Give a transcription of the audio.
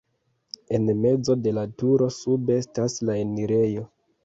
En mezo de la turo sube estas la enirejo.